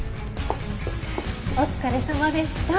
お疲れさまでした！